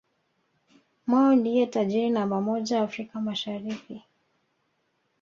Mo ndiye tajiri namba moja Afrika Mashariki